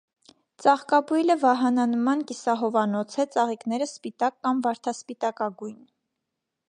Ծաղկաբույլը վահանանման կիսահովանոց է, ծաղիկները՝ սպիտակ կամ վարդասպիտակագույն։